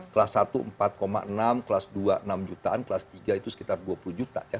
kelas satu empat enam kelas dua enam jutaan kelas tiga itu sekitar dua puluh juta ya